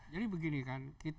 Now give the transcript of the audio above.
jadi begini kan